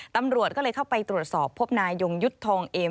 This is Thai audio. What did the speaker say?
ตำรวจก็เลยเข้าไปตรวจสอบพบนายยงยุทธ์ทองเอม